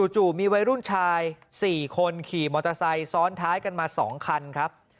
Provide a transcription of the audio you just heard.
จู่มีวัยรุ่นชาย๔คนขี่มอเตอร์ไซค์ซ้อนท้ายกันมา๒คันครับ